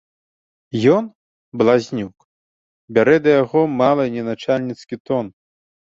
Ён, блазнюк, бярэ да яго мала не начальніцкі тон.